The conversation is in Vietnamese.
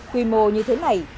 quy mô như thế này